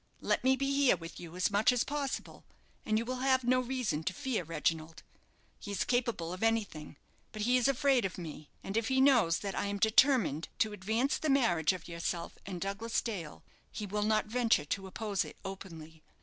"Let me be here with you as much as possible, and you will have no reason to fear Reginald. He is capable of anything, but he is afraid of me, and if he knows that I am determined to advance the marriage of yourself and Douglas Dale, he will not venture to oppose it openly.